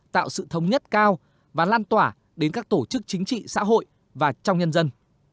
tạo sự thống nhất cao và lan tỏa đến các tổ chức chính trị xã hội và trong nhân dân